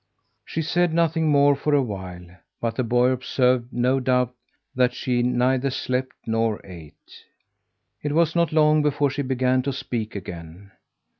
She said nothing more for a while, but the boy observed, no doubt, that she neither slept nor ate. It was not long before she began to speak again.